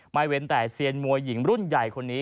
เว้นแต่เซียนมวยหญิงรุ่นใหญ่คนนี้